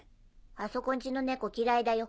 あそこん家の猫嫌いだよ